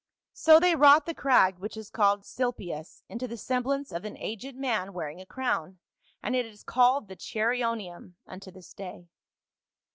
" So they wrought the crag which is called Silpius into the semblance of an aged man wearing a crown, and it is called the Charonium unto this day."